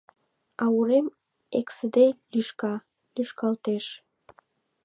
А урем эксыде лӱшка, лӱшкалтеш.